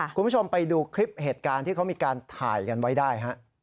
คุณผู้ชมไปดูคลิปเหตุการณ์ที่เขามีการถ่ายกันไว้ได้ฮะ